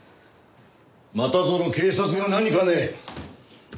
またぞろ警察が何かね？